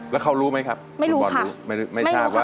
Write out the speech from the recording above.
แล้วเขารู้ไหมครับคุณบอลรู้ไม่ชาติว่ามาท้องแล้วไม่รู้ค่ะไม่รู้ค่ะ